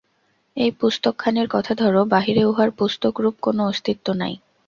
এই পুস্তকখানির কথা ধর, বাহিরে উহার পুস্তকরূপ কোন অস্তিত্ব নাই।